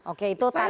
oke itu targetnya ya